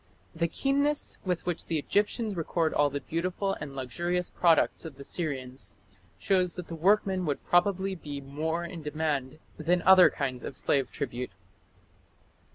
"The keenness with which the Egyptians record all the beautiful and luxurious products of the Syrians shows that the workmen would probably be more in demand than other kinds or slave tribute."